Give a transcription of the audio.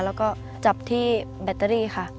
แล้วก็จับที่แบตเตอรี่ค่ะ